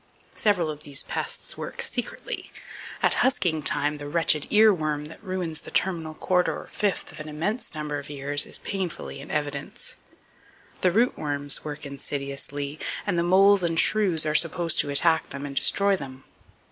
Several of these pests work secretly. At husking time the wretched ear worm that ruins the terminal quarter or fifth of an immense number of ears, is painfully in evidence. The root worms work insidiously, and the moles and shrews are supposed to attack them and destroy them.